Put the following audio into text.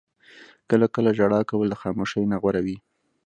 • کله کله ژړا کول د خاموشۍ نه غوره وي.